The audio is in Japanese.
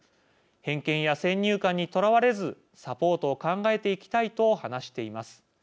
偏見や先入観にとらわれずサポートを考えていきたいと話しています。